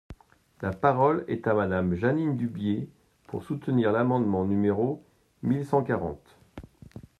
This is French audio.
La parole est à Madame Jeanine Dubié, pour soutenir l’amendement numéro mille cent quarante.